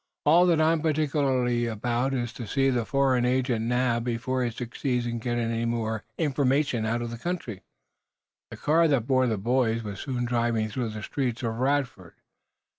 "All that I'm particular about is to see this foreign agent nabbed before he succeeds in getting any information out of the country." The car that bore the boys was soon driving through the streets of Radford.